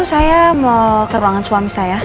saya mau ke ruangan suami saya